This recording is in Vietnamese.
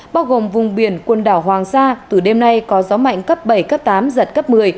bao gồm vùng biển quần đảo hoàng sa từ đêm nay có gió mạnh cấp bảy cấp tám giật cấp một mươi